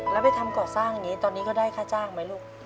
แล้วไปทำก่อสร้างอย่างนี้ตอนนี้ก็ได้ค่าจ้างไหมลูก